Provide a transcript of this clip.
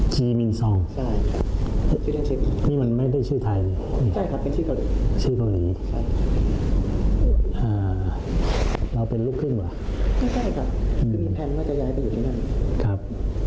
สหรัสสวังแจ้งครับ